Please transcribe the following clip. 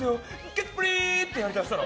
ケツプリ！ってやりだしたの。